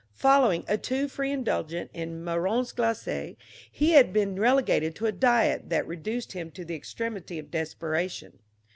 Following a too free indulgence in marrons glacés he had been relegated to a diet that reduced him to the extremity of desperation.